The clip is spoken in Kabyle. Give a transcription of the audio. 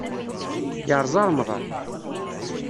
Yerẓa remḍan.